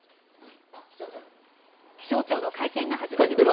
気象庁の会見が始まりました。